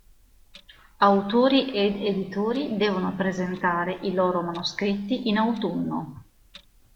Autori ed editori devono presentare i loro manoscritti in autunno.